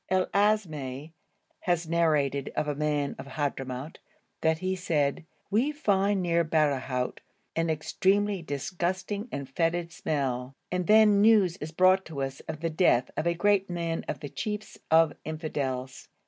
"' El Asmaï has narrated of a man of Hadhramout that he said: 'We find near Barahout an extremely disgusting and foetid smell, and then news is brought to us of the death of a great man of the chiefs of the infidels.'